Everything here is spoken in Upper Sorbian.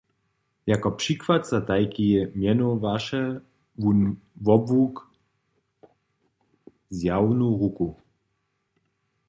Jako přikład za tajki mjenowaše wón wobłuk "zjawnu ruku".